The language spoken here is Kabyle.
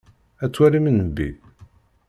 Ad twalim nnbi?